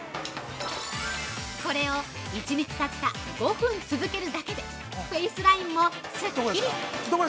これを１日たった５分続けるだけでフェイスラインもスッキリ。